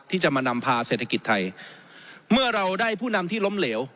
ที่จะมานำพาเศรษฐกิจไทยเมื่อเราได้ผู้นำที่ล้มเหลว